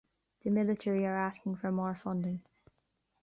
The military are asking for more funding.